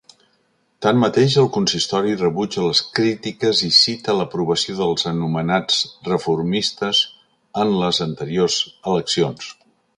Tanmateix, el consistori rebutja les crítiques i cita l'aprovació dels anomenats reformistes en les anteriors eleccions.